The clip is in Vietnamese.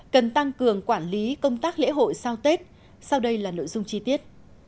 cần tăng cường quản lý công tác lễ hội sau tết sau đây là nội dung chi tiết